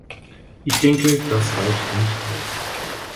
Ich denke, das reicht nicht aus.